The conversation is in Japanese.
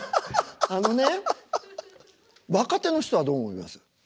あのね若手の人はどう思います？